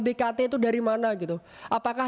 bkt itu dari mana gitu apakah